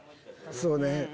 そうね。